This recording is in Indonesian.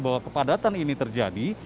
bahwa kepadatan ini terjadi